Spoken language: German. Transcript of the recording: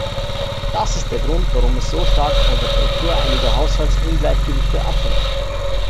Das ist der Grund, warum es so stark von der Korrektur einiger Haushaltsungleichgewichte abhängt.